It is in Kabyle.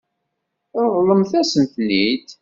Ṛeḍlemt-as-ten-id.